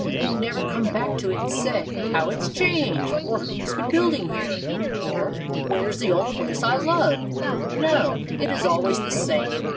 You never come back to it and say, "How it's changed!" or "Who's been building here?" or "Where's the old place I loved?" No; it is always the same.